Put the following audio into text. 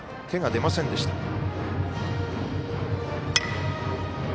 手が出ませんでした。